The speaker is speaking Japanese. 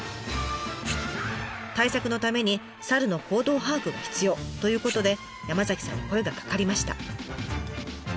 対策のためにサルの行動把握が必要ということで山さんに声がかかりました。